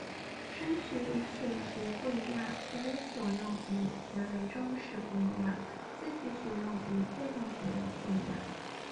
深学与浅学不一样、学为所用与学为‘装饰’不一样、自觉学用与被动学用不一样